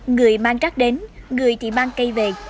người mang trác đến người thì mang cây về